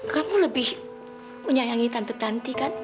kamu lebih menyayangi tante kan